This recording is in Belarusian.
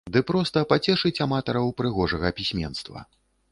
Ды проста пацешыць аматараў прыгожага пісьменства.